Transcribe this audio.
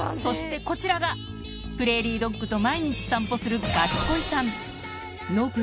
そしてこちらがプレーリードッグと毎日散歩するガチ恋さん